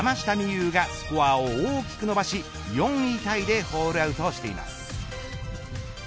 有がスコアを大きく伸ばし４位タイでホールアウトしています。